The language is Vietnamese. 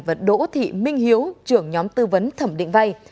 và đỗ thị minh hiếu trưởng nhóm tư vấn thẩm định vay